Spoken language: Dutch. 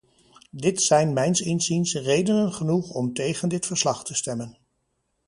Dit zijn mijns inziens redenen genoeg om tegen dit verslag te stemmen.